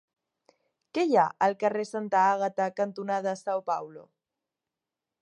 Què hi ha al carrer Santa Àgata cantonada São Paulo?